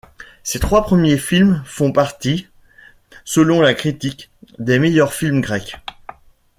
Ses trois premiers films font partie, selon la critique, des meilleurs films grecs.